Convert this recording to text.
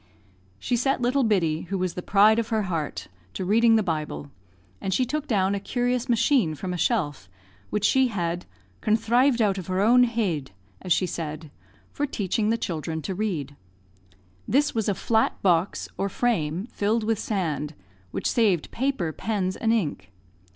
She set little Biddy, who was the pride of her heart, to reading the Bible; and she took down a curious machine from a shelf, which she had "conthrived out of her own head," as she said, for teaching the children to read. This was a flat box, or frame, filled with sand, which saved paper, pens, and ink.